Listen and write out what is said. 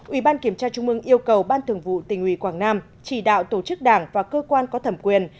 ủy ban kiểm tra trung ương yêu cầu ban thường vụ tỉnh ủy quảng nam chỉ đạo tổ chức đảng và cơ quan có thẩm quyền